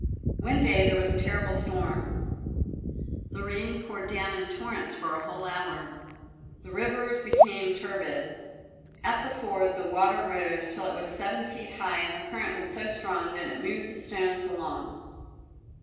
One day there was a terrible storm; the rain poured down in torrents for a whole hour. The rivers became turbid. At the ford, the water rose till it was seven feet high and the current was so strong that it moved the stones along.